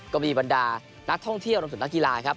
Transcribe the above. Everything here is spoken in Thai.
ก็มีบรรดานักท่องเที่ยวตรงสุดนักกีฬาครับ